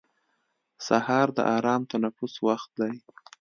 سهار د ارام تنفس وخت دی.